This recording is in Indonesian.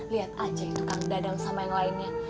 lihat aja tukang dadang sama yang lainnya